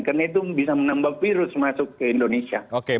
karena itu bisa menambah virus masuk ke indonesia